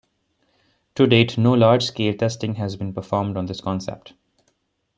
To date no large scale testing has been performed on this concept.